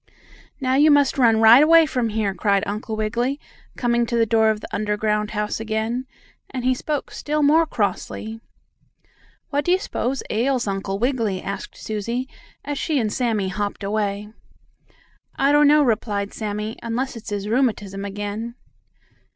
"Now you must run right away from here!" cried Uncle Wiggily, coming to the door of the underground house again, and he spoke still more crossly. "What do you s'pose ails Uncle Wiggily?" asked Susie, as she and Sammie hopped away. "I don't know," replied Sammie, "unless it's his rheumatism again."